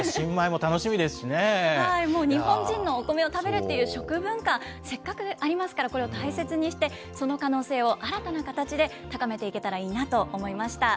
もう日本人のお米を食べるっていう食文化、せっかくありますから、これを大切にして、その可能性を新たな形で高めていけたらいいなと思いました。